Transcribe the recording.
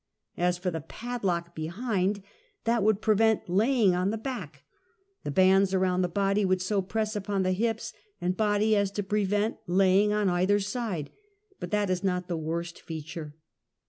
As for the padlock behind, that would prevent laying on the back — the bands around the body w^ould so press upon the hips and body as to prevent laying on either side. But that is not the worst feature.